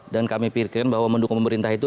dan kami pikirkan bahwa mendukung pemerintah itu